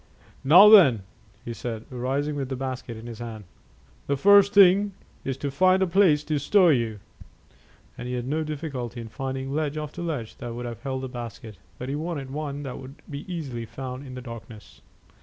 "Now then," he said, rising with the basket in his hand, "the first thing is to find a place to stow you;" and he had no difficulty in finding ledge after ledge that would have held the basket, but he wanted one that would be easily found in the darkness.